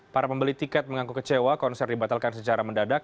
para pembeli tiket mengaku kecewa konser dibatalkan secara mendadak